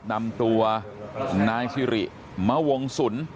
นำตัวนายสิริมวงศุล